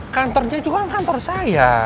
kantornya juga kantor saya